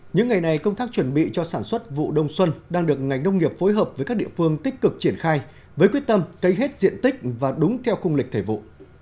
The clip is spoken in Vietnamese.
những ngày này công tác chuẩn bị cho sản xuất vụ đông xuân đang được ngành nông nghiệp phối hợp với các địa phương tích cực triển khai với quyết tâm cấy hết diện tích và đúng theo khung lịch thể vụ